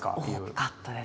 多かったです。